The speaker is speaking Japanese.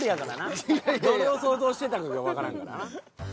どれを想像してたかがわからんからな。